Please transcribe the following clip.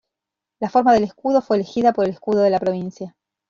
La forma del escudo fue elegida por el escudo de la provincia.